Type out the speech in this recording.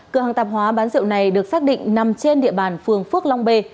cửa hàng tạp hóa bán rượu này được xác định nằm trên địa bàn phương phước long bê